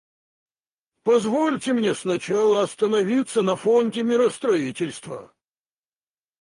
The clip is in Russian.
Позвольте мне сначала остановиться на Фонде миростроительства.